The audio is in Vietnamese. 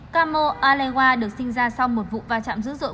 camer walewa được sinh ra sau một vụ va chạm dữ dội